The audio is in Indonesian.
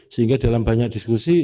sehingga dalam banyak diskusi